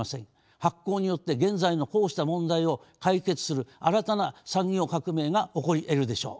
発酵によって現在のこうした問題を解決する新たな産業革命が起こりえるでしょう。